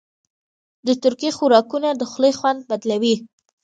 د ترکي خوراکونه د خولې خوند بدلوي.